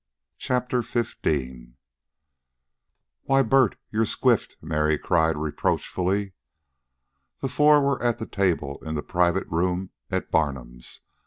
CHAPTER XV "Why, Bert! you're squiffed!" Mary cried reproachfully. The four were at the table in the private room at Barnum's.